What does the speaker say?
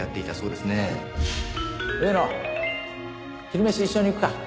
昼飯一緒に行くか？